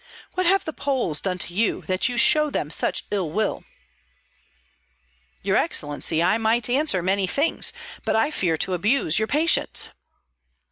What have the Poles done to you, that you show them such ill will?" "Your excellency, I might answer many things, but I fear to abuse your patience."